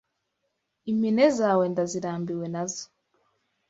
Impine zawe ndazirambiwe nazo!